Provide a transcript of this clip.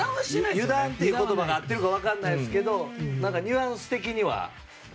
油断という言葉が合ってるかは分からないですけどニュアンス的には。